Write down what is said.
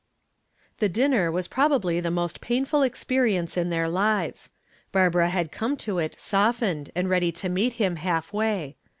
The dinner was probably the most painful experience in their lives. Barbara had come to it softened and ready to meet him half way.